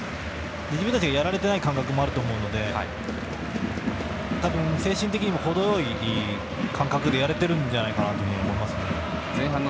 自分たちがやられていない感覚もあると思うので多分、精神的にも程よい感覚でやれているんじゃないかと思いますね。